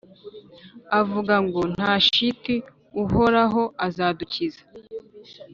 avuga ngo : Nta shiti, Uhoraho azadukiza,